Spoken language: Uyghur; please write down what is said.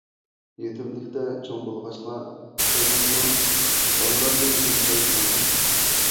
يېتىملىكتە چوڭ بولغاچقا ئۆزۈڭمۇ، بالىلارنى يېتىم قىلاي دېدىڭمۇ.